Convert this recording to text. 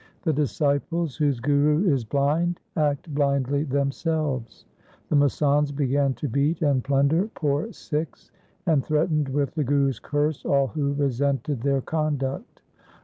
The disciples whose guru is blind act blindly themselves. The masands began to beat and plunder LIFE OF GURU HAR KRISHAN 317 poor Sikhs, and threatened with the Guru's curse all who resented their conduct.